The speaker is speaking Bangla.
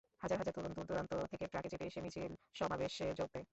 হাজার হাজার তরুণ দূরদূরান্ত থেকে ট্রাকে চেপে এসে মিছিল-সমাবেশে যোগ দেয়।